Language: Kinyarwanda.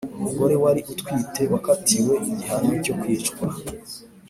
umugore wari utwite wakatiwe igihano cyo kwicwa